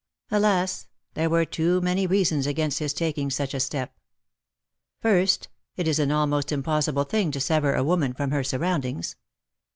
Alas, there were too many reasons against his taking such a step ! First, it is an almost impos sible thing to sever a woman from her surroundings.